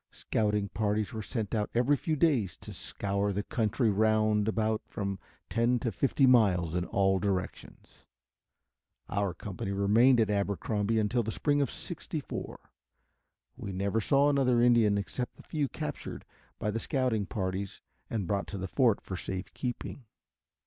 Scouting parties were sent out every few days to scour the country round about from ten to fifty miles in all directions. Our company remained at Abercrombie until the spring of '64. We never saw another Indian except the few captured by the scouting parties and brought to the fort for safe keeping.